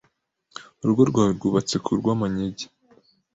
Urugo rwawe rwubatse ku Rwamanyege